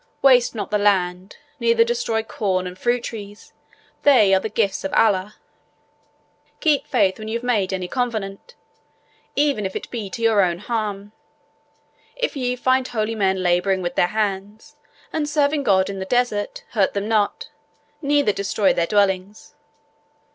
Waste not the land, neither destroy corn and fruit trees; they are the gifts of Allah. Keep faith when you have made any covenant, even if it be to your own harm. If ye find holy men labouring with their hands, and serving God in the desert, hurt them not, neither destroy their dwellings.